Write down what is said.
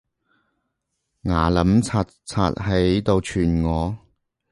牙撚擦擦喺度串我